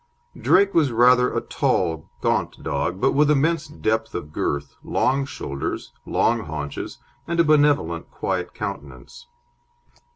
Drake was rather a tall, gaunt dog, but with immense depth of girth, long shoulders, long haunches, and a benevolent, quiet countenance.